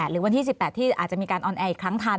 หรือวันที่๑๘ที่อาจจะมีการออนแอร์อีกครั้งทัน